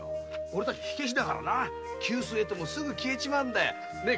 おれたち火消しだからな灸を据えてもすぐ消えちまうんだよ。ね